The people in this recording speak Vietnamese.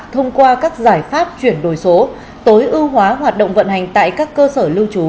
thông qua các giải pháp chuyển đổi số tối ưu hóa hoạt động vận hành tại các cơ sở lưu trú